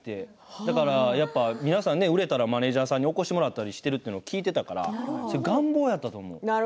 だから、皆さん売れたらマネージャーに起こしてもらったりしていると聞いていたから願望やったと思う。